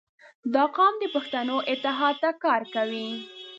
• دا قوم د پښتنو اتحاد ته کار کوي.